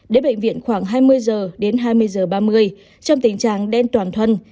đến bệnh viện khoảng hai mươi h hai mươi h ba mươi trong tình trạng đen toàn thuần